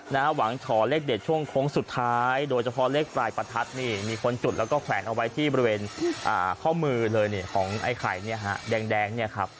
หวังขอเลขเด็ดช่วงโค้งสุดท้ายโดยเฉพาะเลขปลายประทัดนี่มีคนจุดแล้วก็แขวนเอาไว้ที่บริเวณอ่าข้อมือเลยเนี่ยของไอ้ไข่เนี่ยฮะแดงเนี่ยครับ